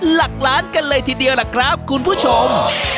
หลักล้านกันเลยทีเดียวล่ะครับคุณผู้ชม